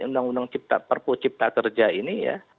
undang undang perpu cipta kerja ini ya